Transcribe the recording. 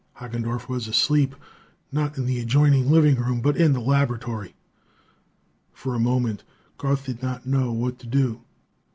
Hagendorff was asleep, not in the adjoining living room but in the laboratory! For a moment, Garth did not know what to do.